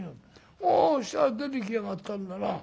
ああそしたら出ていきやがったんだな。